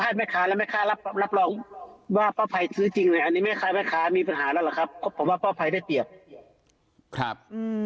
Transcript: จะดูว่าผมกำลังแล้วรรบันจนธรรม